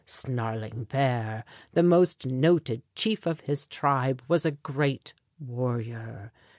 Snarling Bear, the most noted chief of his tribe, was a great warrior.